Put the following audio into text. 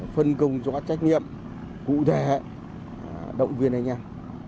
phân công cho các trách nhiệm cụ thể động viên anh em